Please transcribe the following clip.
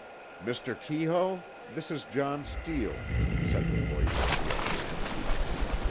"Mr. Keyhoe? This is John Steele," said the voice at the other end.